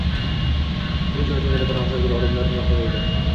Bu joyning yana bir afzalligi odamlar nigohida edi.